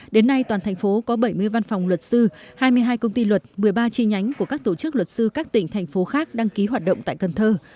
đến nay toàn thành phố có bảy mươi văn phòng luật sư hai mươi hai công ty luật một mươi ba chi nhánh của các tổ chức luật sư các tỉnh thành phố khác đăng ký hoạt động tại cần thơ